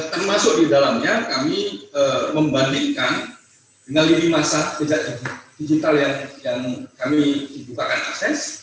termasuk di dalamnya kami membandingkan dengan lini masa digital yang kami bukakan akses